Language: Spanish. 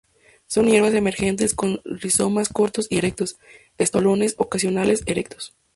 Son hierbas emergentes; con rizomas cortos y erectos; estolones ocasionales, erectos.